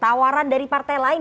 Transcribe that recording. tawaran dari partai lain